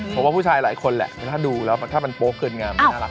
ผมว่าผู้ชายหลายคนแหละถ้าดูแล้วถ้ามันโป๊กเกินงามไม่น่ารัก